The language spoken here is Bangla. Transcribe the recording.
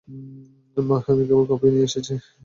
আমি কেবল কফিই নিয়ে এসেছি।